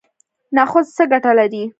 نخود څه ګټه لري؟